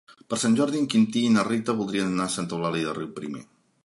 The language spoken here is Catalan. Per Sant Jordi en Quintí i na Rita voldrien anar a Santa Eulàlia de Riuprimer.